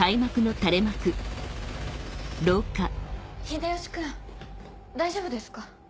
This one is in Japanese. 秀吉君大丈夫ですか？